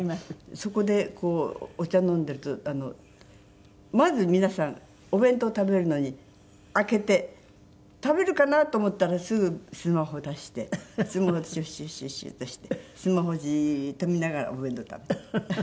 そこでこうお茶飲んでるとまず皆さんお弁当を食べるのに開けて食べるかなと思ったらすぐスマホを出してスマホをシュッシュッシュッシュッとしてスマホをジーッと見ながらお弁当食べて。